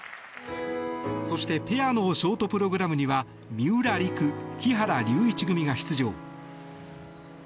そして、ペアのショートプログラムには三浦璃来、木原龍一組が出場。